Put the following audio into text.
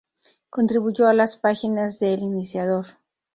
Contribuyó a las páginas de "El Iniciador".